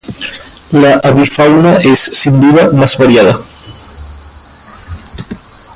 La avifauna es, sin duda, más variada.